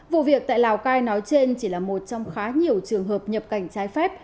vụ việc tại lào cai nói trên chỉ là một trong khá nhiều trường hợp nhập cảnh trái phép